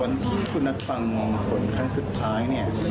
วันที่คุณนัทฟังผลครั้งสุดท้ายเนี่ย